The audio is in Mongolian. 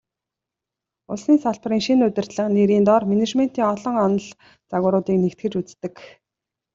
Улсын салбарын шинэ удирдлага нэрийн доор менежментийн олон онол, загваруудыг нэгтгэж үздэг.